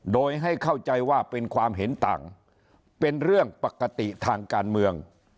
โดยให้เข้าใจว่าเป็นความเห็นต่างเป็นเรื่องปกติทางการเมือง